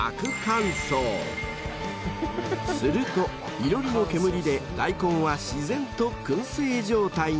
［するといろりの煙で大根は自然と薫製状態に］